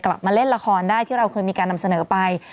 กลับมาเล่นละครได้ที่เราเคยมีการนำเสนอไป